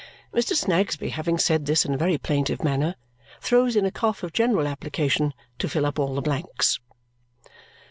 Mr. Snagsby, having said this in a very plaintive manner, throws in a cough of general application to fill up all the blanks.